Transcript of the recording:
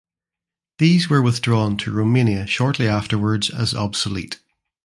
These were withdrawn to Romania shortly afterwards as obsolete.